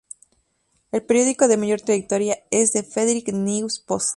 El periódico de mayor trayectoria es The Frederick News-Post.